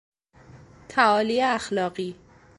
تعالی اخلاقی